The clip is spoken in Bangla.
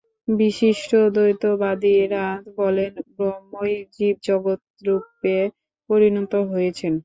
বিশিষ্টাদ্বৈতবাদীরা বলেন, ব্রহ্মই জীবজগৎরূপে পরিণত হয়েছেন।